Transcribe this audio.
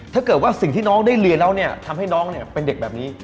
ถ้าเกิดว่าสิ่งที่น้องได้เรียนแล้วเนี่ยทำให้น้องเป็นเด็กแบบนี้